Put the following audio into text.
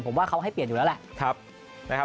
ผมว่าเขาให้เปลี่ยนอยู่แล้วแหละ